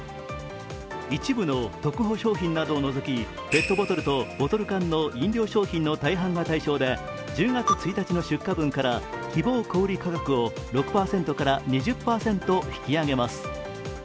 一部のトクホ商品などを除きペットボトルとボトル缶の飲料商品の大半が対象で１０月１日の出荷分から希望小売価格を６％から２０％引き上げます。